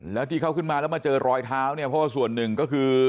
แล้วที่เขาขึ้นมาแล้วมาเจอรอยเท้าเนี่ยเพราะว่าส่วนหนึ่งก็คือ